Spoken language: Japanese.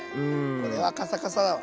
これはカサカサだわ。